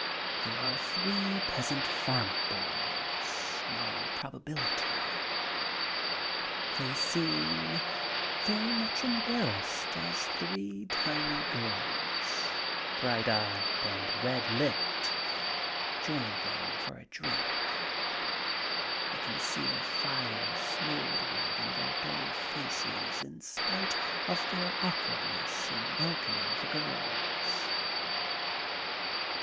There are three peasant farmer boys, in all probability. They seem very much embarrassed as three tiny girls, bright eyed and red lipped, join them for a drink. I can see fire smoldering in their dull faces in spite of their awkwardness in welcoming the girls.